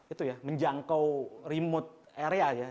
itu ya menjangkau remote area ya